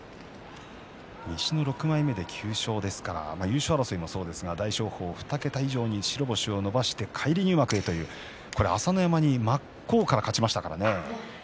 西の６枚目で９勝ですから優勝争いもそうですが大翔鵬２桁以上に白星を伸ばして返り入幕という朝乃山に真っ向から勝ちましたからね。